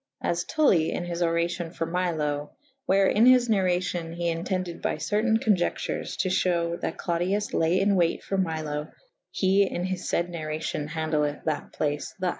As'TuUi in his oracion for Milo / where in his narracyon he intendeth by certayne coniectures to fhewe that Clodius laye in wayte for Milo / he in his fayde narracyon handelethe that place thus.